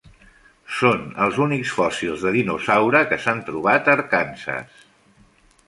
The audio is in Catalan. Són els únics fòssils de dinosaure que s'han trobat a Arkansas.